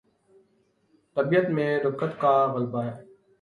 طبیعت میں رقت کا غلبہ ہے۔